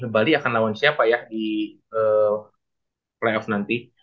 bali akan lawan siapa ya di play off nanti